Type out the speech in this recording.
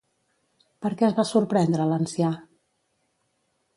Per què es va sorprendre l'ancià?